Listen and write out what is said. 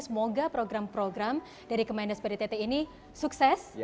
semoga program program dari kemendai spdtt ini sukses